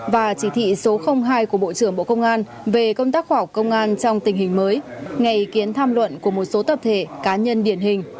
và chỉ thị số hai của bộ trưởng bộ công an về công tác khoa học công an trong tình hình mới ngay ý kiến tham luận của một số tập thể cá nhân điển hình